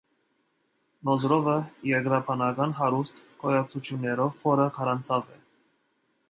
Մոզրովը երկրաբանական հարուստ գոյացություններով խորը քարանձավ է։